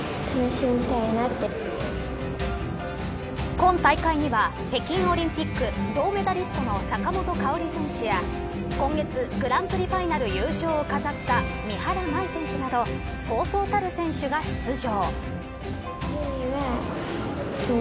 今大会には北京オリンピック銅メダリストの坂本花織選手や今月グランプリファイナル優勝を飾った三原舞依選手などそうそうたる選手が出場。